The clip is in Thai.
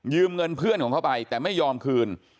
เงินเพื่อนของเขาไปแต่ไม่ยอมคืน